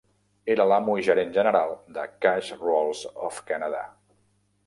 Era l'amo i gerent general de "Cash Rolls of Canada".